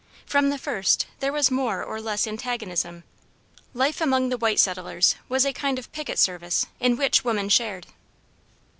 From the first there was more or less antagonism. Life among the white settlers was a kind of picket service in which woman shared.